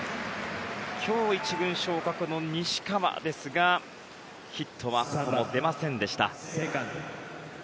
今日１軍昇格の西川ですがヒットは出ませんでした。